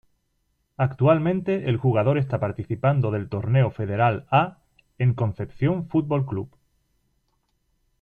Actualmente el jugador está participando del Torneo Federal A, en Concepción Fútbol Club.